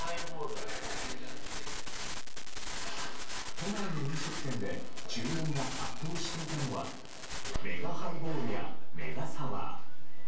都内の飲食店で注文が殺到していたのはメガハイボールやメガサワー。